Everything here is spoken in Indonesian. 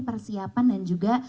persiapan dan juga